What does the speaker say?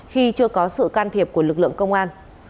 khi chưa có sự can thiệp của lực lượng công an